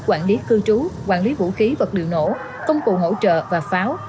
quản lý cư trú quản lý vũ khí vật liệu nổ công cụ hỗ trợ và pháo